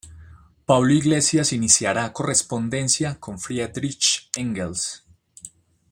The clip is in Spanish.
Pablo Iglesias iniciará correspondencia con Friedrich Engels.